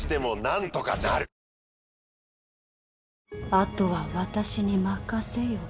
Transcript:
あとは私に任せよ。